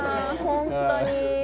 本当に。